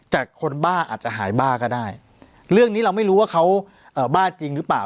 แต่คนบ้าอาจจะหายบ้าก็ได้เรื่องนี้เราไม่รู้ว่าเขาบ้าจริงหรือเปล่า